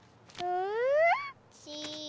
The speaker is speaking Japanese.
うん？